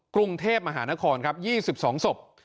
กรุงเทพมหานครครับ๒๒ศพ